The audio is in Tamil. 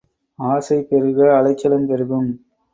ஆசை பெருக அலைச்சலும் பெருகும்.